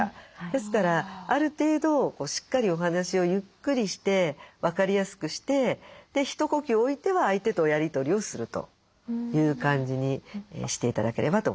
ですからある程度しっかりお話をゆっくりして分かりやすくして一呼吸置いては相手とやり取りをするという感じにして頂ければと思いますね。